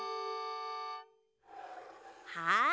はい。